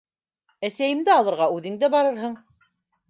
Әсәйемде алырға үҙең дә барырһың.